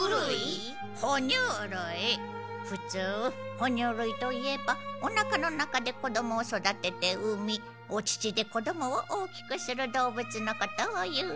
ふつうほ乳類といえばおなかの中で子どもを育てて生みお乳で子どもを大きくする動物のことをいう。